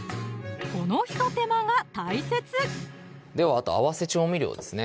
この一手間が大切ではあと合わせ調味料ですね